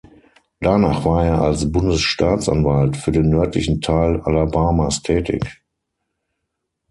Danach war er als Bundesstaatsanwalt für den nördlichen Teil Alabamas tätig.